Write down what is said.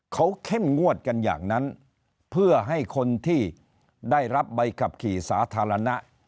เขาเข้มงวดกันอย่างนั้นเพื่อให้คนที่ได้รับใบขับขี่สาธารณะ